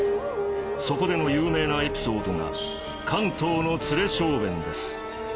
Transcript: そこでの有名なエピソードが「関東の連れ小便」です。